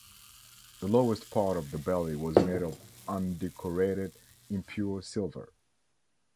The lowest part of the belly was made of undecorated impure silver.